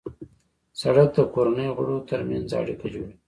سړک د کورنۍ غړو ترمنځ اړیکه جوړوي.